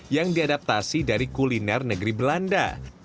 yang diadaptasi dari kuliner negeri belanda